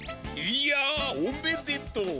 いやおめでとう。